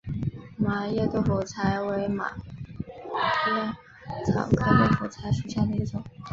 麻叶豆腐柴为马鞭草科豆腐柴属下的一个种。